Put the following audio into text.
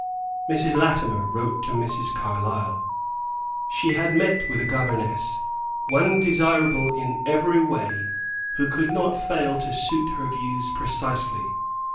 Mrs. Latimer wrote to Mrs. Carlyle. She had met with a governess; one desirable in every way who could not fail to suit her views precisely.